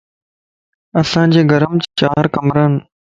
اسان جي گھرم چار ڪمرا ان